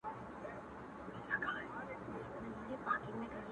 نوم مي د ليلا په لاس کي وليدی!